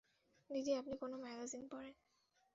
দিদি, আপনি কোন ম্যাগাজিন পড়েন?